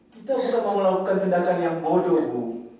kita bukan mau melakukan tindakan yang bodoh bu